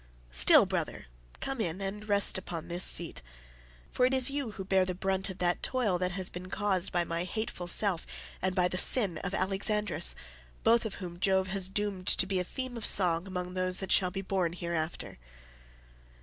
Still, brother, come in and rest upon this seat, for it is you who bear the brunt of that toil that has been caused by my hateful self and by the sin of Alexandrus—both of whom Jove has doomed to be a theme of song among those that shall be born hereafter."